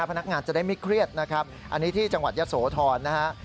พนักงานจะได้ไม่เครียดนะครับอันนี้ที่จังหวัดยะโสธรนะฮะ